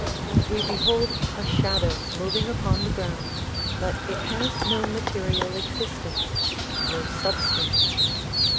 We behold a shadow moving upon the ground but it has no ma terial existence, no substance.